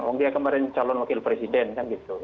oh dia kemarin calon wakil presiden kan gitu